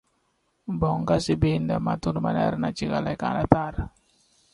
The show is closely related to the Texas Trophy Hunters Association.